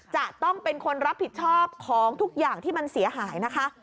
จะต้องเป็นคนรับผิดชอบของทุกอย่างที่มันเสียหายนะคะ